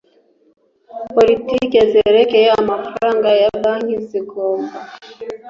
Politiki zerekeye amafaranga ya banki zigomba